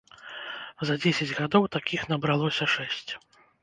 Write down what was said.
За дзесяць гадоў такіх набралося шэсць.